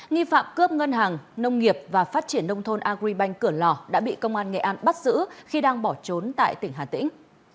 nghi phạm cướp ngân hàng nông nghiệp và phát triển nông thôn agribank cửa lò đã bị công an nghệ an bắt giữ khi đang bỏ trốn tại tỉnh hà tĩnh